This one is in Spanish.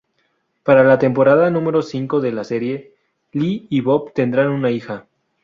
Para la temporada número cinco de la serie Lee y Bob tendrán una hija.